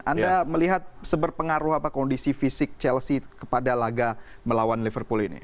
anda melihat seberpengaruh apa kondisi fisik chelsea kepada laga melawan liverpool ini